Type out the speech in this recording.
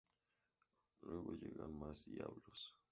Luego llegan más diablos.